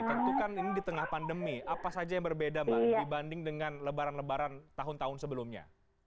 tentu kan ini di tengah pandemi apa saja yang berbeda mbak dibanding dengan lebaran lebaran tahun tahun sebelumnya